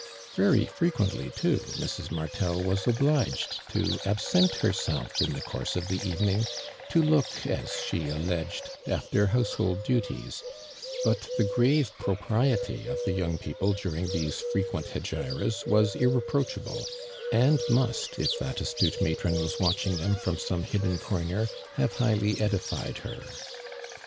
Very i'requently, too, Mrs. Maitel was obliged to absent herself in tiio course of the even ing, to look, as she alleged, after house hold duties, but the grave piopricty of the young people during these frequent hegi ras was irreproachable, and must, if that astute matron was watching them from some hidden corner, have highly edified her.